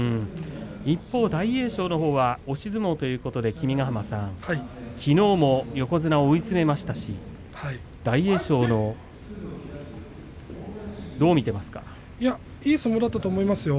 一方、大栄翔のほうは押し相撲ということで君ヶ濱さん、きのうも横綱を追い詰めましたし、大栄翔のいい相撲だと思います。